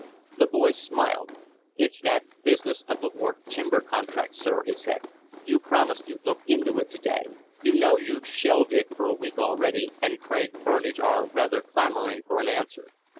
The boy smiled. "It's that business of the Wark timber contract, sir," he said. "You promised you'd look into it to day; you know you've shelved it for a week already, and Craig, Burnage are rather clamoring for an answer."